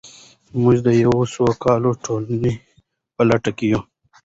موږ د یوې سوکاله ټولنې په لټه کې یو.